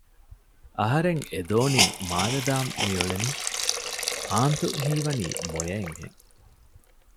އަހަރެން އެދޯނިން މާލެ ދާން މިއުޅެނީ؟ އާންތު ހީވަނީ މޮޔައެއް ހެން